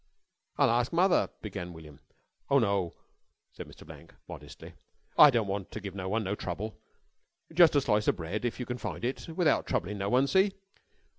"I'll ask mother " began William. "Oh, no," said Mr. Blank modestly. "I don't want ter give no one no trouble. Just a slice o' bread, if you can find it, without troublin' no one. See?"